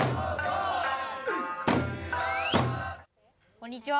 こんにちは。